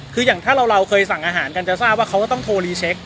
คืออย่างถ้าเราเคยสั่งอาหารกันจะทราบว่าเขาก็ต้องโทรรีเช็ค